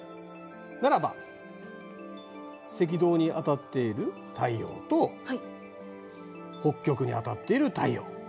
ならば赤道に当たっている太陽と北極に当たっている太陽。